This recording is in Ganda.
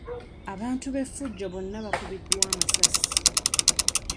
Abantu b'effujjo bonna baakubiddwa amasasi.